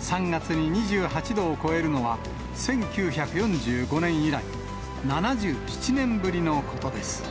３月に２８度を超えるのは、１９４５年以来、７７年ぶりのことです。